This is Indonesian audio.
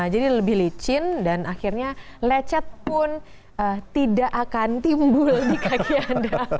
jadi lebih licin dan akhirnya lecet pun tidak akan timbul di kaki anda